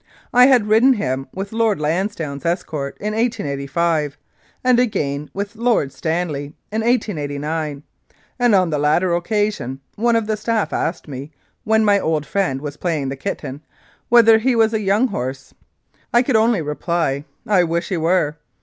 I had ridden him with Lord Lansdowne's escort in 1885, and again with Lord Stanley in 1889, and on the latter occasion one of the Staff asked me, when my old friend was playing the kitten, whether he was a young horse. I could only reply, "I wish he were."